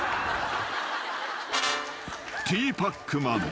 ［ティーパックマン。